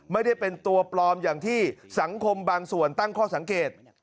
ไม่ได้เป็นตัวปลอมอย่างที่สังคมบางส่วนตั้งข้อสังเกต